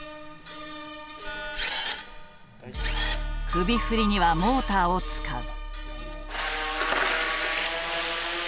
首振りにはモーターを使う。